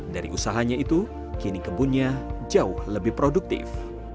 dari usahanya itu kini kebunnya jauh lebih produktif